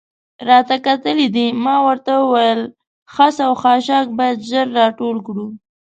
راته کتل دې؟ ما ورته وویل: خس او خاشاک باید ژر را ټول کړو.